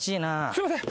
すいません。